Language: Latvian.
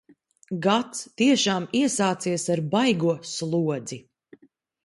Gads tiešām iesācies ar baigo slodzi!